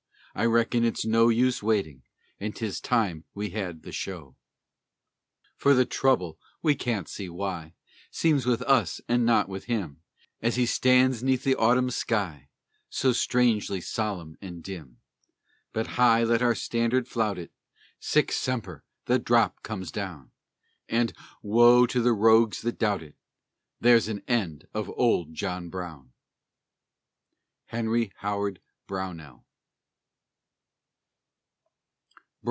I reckon it's no use waiting, And 'tis time that we had the show. For the trouble we can't see why Seems with us, and not with him, As he stands 'neath the autumn sky, So strangely solemn and dim! But high let our standard flout it! "Sic Semper" the drop comes down And (woe to the rogues that doubt it!) There's an end of old John Brown! HENRY HOWARD BROWNELL.